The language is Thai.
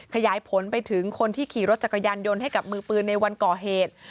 ขยายผลไปถึงคนที่ขี่รถจักรยานยนต์ให้กับมือปืนในวันก่อเหตุ